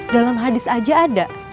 dalam hadis aja ada